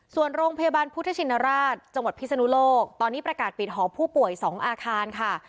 ส่วนโรงพยาบาลพุทธชินราชจังหวัดพิศนุโลกตอนนี้ประกาศปิดหอผู้ป่วย๒อาคารค่ะ